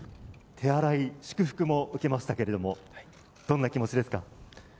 手荒い祝福も受けましたけどどんな気持ちですか？